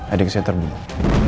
adik saya terbunuh